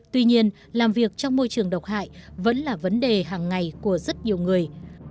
tuy nhiên làm việc trong môi trường độc hại vẫn là vấn đề hàng ngày của rất nhiều người